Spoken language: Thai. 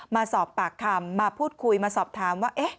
มาสอบปากคำมาพูดคุยมาสอบถามว่า